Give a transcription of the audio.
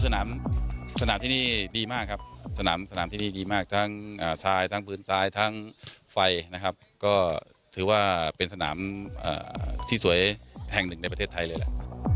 สนามสนามที่นี่ดีมากครับสนามสนามที่นี่ดีมากทั้งทรายทั้งพื้นซ้ายทั้งไฟนะครับก็ถือว่าเป็นสนามที่สวยแห่งหนึ่งในประเทศไทยเลยแหละ